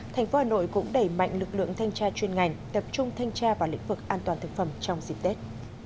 thành phố hà nội cũng đẩy mạnh lực lượng thanh tra chuyên ngành tập trung thanh tra vào lĩnh vực an toàn thực phẩm trong dịp tết